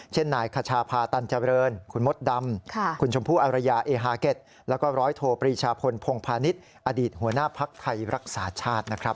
เช่นนายคชาพาตันเจริญคุณมดดำคุณชมพู่อารยาเอฮาเก็ตแล้วก็ร้อยโทปรีชาพลพงพาณิชย์อดีตหัวหน้าภักดิ์ไทยรักษาชาตินะครับ